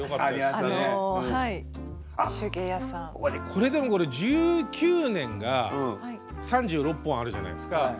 これでも１９年が３６本あるじゃないですか。